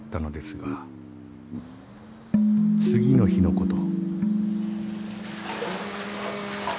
［次の日のこと］